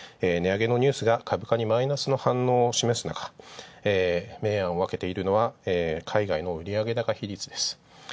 値上げのニュースが株価にマイナスの反応を見せる中、明暗を分けているのは海外の売上高比率です。